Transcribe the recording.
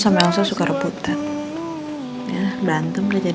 kamu semesta mesta ada fase sih